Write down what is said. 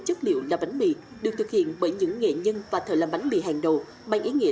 chất liệu làm bánh mì được thực hiện bởi những nghệ nhân và thợ làm bánh mì hàng đầu bằng ý nghĩa